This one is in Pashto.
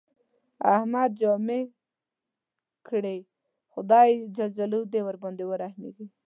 احمد جامې کړې، خدای ج دې ورباندې ورحمېږي.